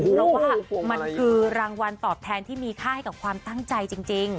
เพราะว่ามันคือรางวัลตอบแทนที่มีค่าให้กับความตั้งใจจริง